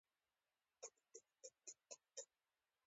کاناډا مخکې ځي.